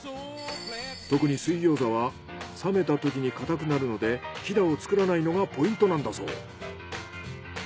特に水餃子は冷めたときに固くなるのでヒダを作らないのがポイントなんだそう。